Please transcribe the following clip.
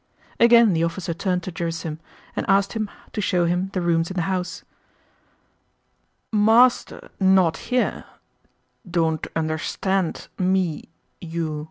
Again the officer turned to Gerásim and asked him to show him the rooms in the house. "Master, not here—don't understand... me, you..."